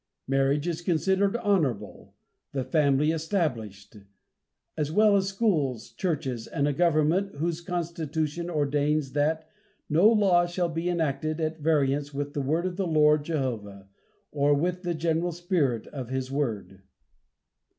Marriage is considered honorable, the family established, as well as schools, churches and a government, whose constitution ordains that "no law shall be enacted at variance with the word of the Lord Jehovah, or with the general spirit of His word."